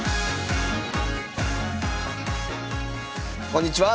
こんにちは。